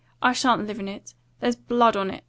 I sha'n't live in it. There's blood on it."